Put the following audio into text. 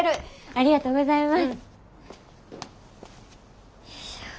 ありがとうございます。